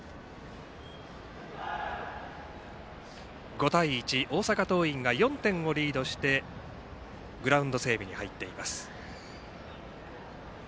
５対１、大阪桐蔭が４点をリードしてグラウンド整備に入っています。